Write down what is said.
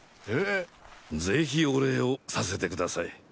是非お礼をさせてください。